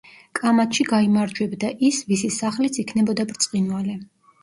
კამათში გაიმარჯვებდა ის ვისი სახლიც იქნებოდა ბრწყინვალე.